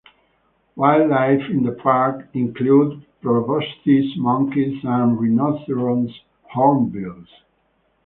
Wildlife in the park include proboscis monkeys and rhinoceros hornbills.